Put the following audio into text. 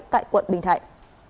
tại quận bình thạnh